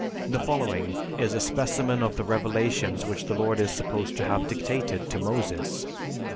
The following is a specimen of the revelations which the Lord is supposed to have dictated to Moses.